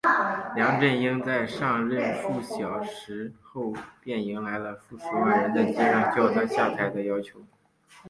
梁振英在上任数小时后便迎来数十万人在街上叫他下台的要求。